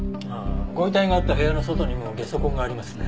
ご遺体があった部屋の外にもゲソ痕がありますね。